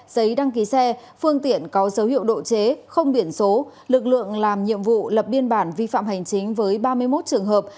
giấy đăng ký xe phương tiện có dấu hiệu độ chế không biển số lực lượng làm nhiệm vụ lập biên bản vi phạm hành chính với ba mươi một trường hợp